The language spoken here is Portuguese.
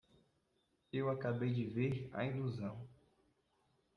Eu acabei de ver a ilusão!